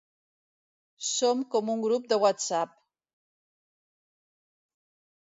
Som com un grup de whatsapp.